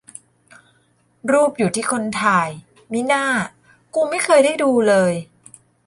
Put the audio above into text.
รูปอยู่ที่คนถ่าย มิน่า กูไม่เคยได้ดูเลย